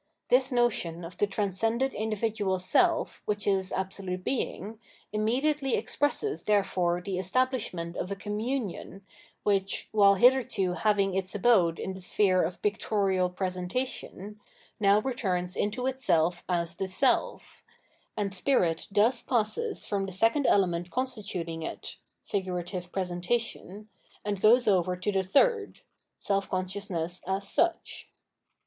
This notion of the transcended in dividual self which is Absolute Being, immediately expresses therefore the estabhshment of a communion which, while hitherto having its abode in the sphere of pictorial presentation, now returns into itself as the Self : and Spirit thus passes from the second element consti tuting it, — figurative presentation — and goes over to the third — self consciousness as such.